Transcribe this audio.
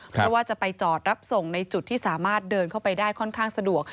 เพราะว่าจะไปจอดรับส่งในจุดที่สามารถเดินเข้าไปได้ค่อนข้างสะดวก